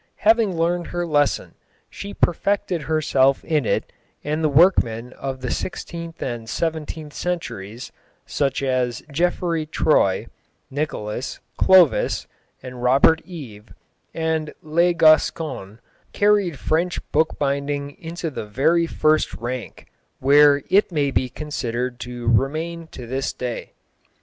Having learned her lesson, she perfected herself in it, and the workmen of the sixteenth and seventeenth centuries, such as Geoffroy Tory, Nicholas, Clovis, and Robert Eve, and Le Gascon, carried French bookbinding into the very first rank, where it may be considered to remain to this day.